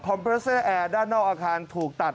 เปรสเซอร์แอร์ด้านนอกอาคารถูกตัด